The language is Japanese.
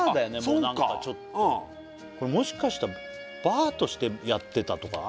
もう何かこれもしかしたらバーとしてやってたとか？